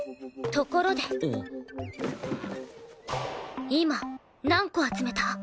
ところで今何個集めた？